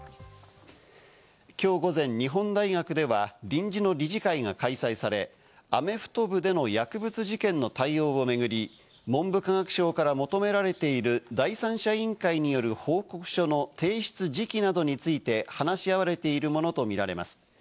きょう午前、日本大学では、臨時の理事会が開催され、アメフト部での薬物事件の対応を巡り、文部科学省から求められている第三者委員会による報告書の提出時期などについて話し合われているものと見られます。